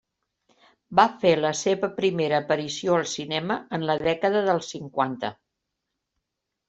Va fer la seva primera aparició al cinema en la dècada dels cinquanta.